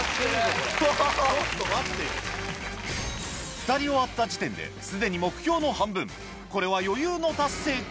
２人終わった時点で既に目標の半分これは余裕の達成か？